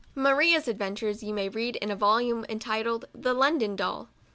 Maria's adventures you may read in a volume entitled " The London Doll."